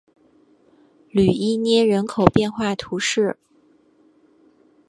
吕伊涅人口变化图示